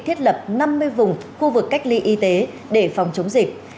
thiết lập năm mươi vùng khu vực cách ly y tế để phòng chống dịch